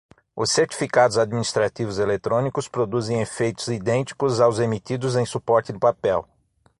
Os certificados administrativos eletrônicos produzem efeitos idênticos aos emitidos em suporte de papel.